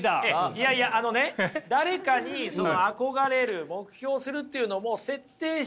いやいやあのね誰かに憧れる目標するというのも設定しちゃうとね